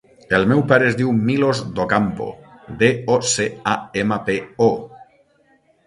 El meu pare es diu Milos Docampo: de, o, ce, a, ema, pe, o.